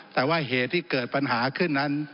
แต่ว่าเหตุที่เกิดปัญหาขึ้นนั้น